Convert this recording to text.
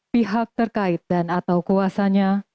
pihak terkait dan atau kuasanya